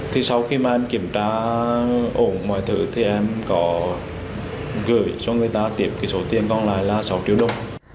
thì sau khi mà em kiểm tra ổn mọi thứ thì em có gửi cho người ta tiệm cái số tiền còn lại là sáu triệu đồng